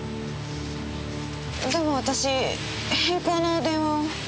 でも私変更の電話を。